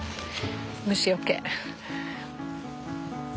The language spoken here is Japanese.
虫よけ。